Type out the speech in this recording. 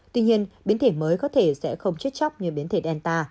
tuy nhiên biến thể mới có thể sẽ không chết chóc như biến thể delta